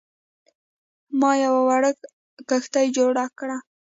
ما یوه وړه کښتۍ جوړه کړه.